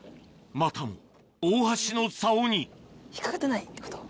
またも大橋の竿に引っかかってないってこと？